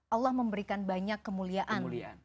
allah memberikan banyak kemuliaan